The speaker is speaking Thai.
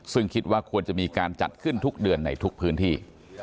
ซึ่งคิดว่าควรจะมีการจัดขึ้นทุกเดือนในทุกพื้นที่